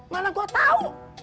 mana gue tahu